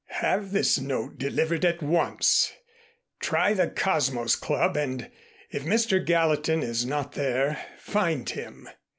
"Have this note delivered at once. Try the Cosmos Club and, if Mr. Gallatin is not there, find him."